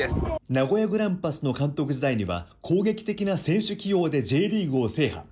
名古屋グランパスの監督時代には、攻撃的な選手起用でＪリーグを制覇。